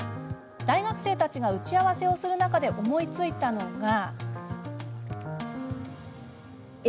大学生たちが打ち合わせをする中で思いついたのが。